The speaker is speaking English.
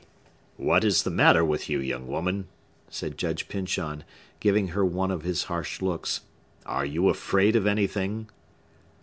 "What is the matter with you, young woman?" said Judge Pyncheon, giving her one of his harsh looks. "Are you afraid of anything?"